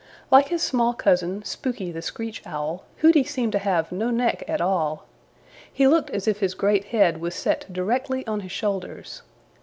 Like his small cousin, Spooky the Screech Owl, Hooty seemed to have no neck at all. He looked as if his great head was set directly on his shoulders.